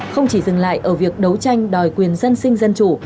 không chỉ dừng lại ở việc đấu tranh đòi quyền dân sinh dân chủ